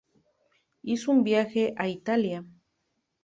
Hizo un viaje a Italia.